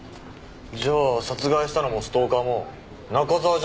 じゃあ殺害したのもストーカーも中沢じゃないって事か。